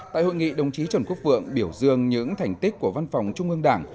tại hội nghị đồng chí trần quốc vượng biểu dương những thành tích của văn phòng trung ương đảng